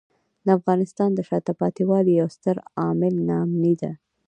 د افغانستان د شاته پاتې والي یو ستر عامل ناامني دی.